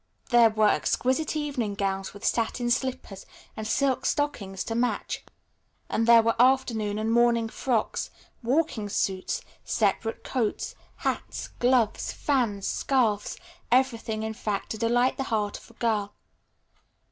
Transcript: There were exquisite evening gowns, with satin slippers and silk stockings to match, and there were afternoon and morning frocks, walking suits, separate coats, hats, gloves, fans, scarfs, everything in fact to delight the heart of a girl.